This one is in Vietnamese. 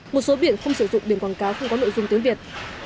một số biển không sử dụng biển quảng cáo không có nội dung tiếng việt